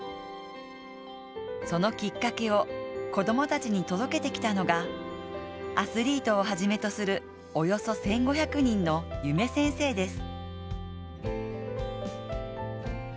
そのきっかけを子供たちに届けてきたのがアスリートを始めとするおよそ１５００人の夢先生です。